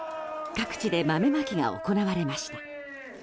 各地で豆まきが行われました。